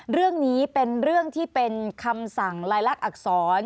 เรื่องนี้เป็นเรื่องที่เป็นคำสั่งลายลักษณ์อักษร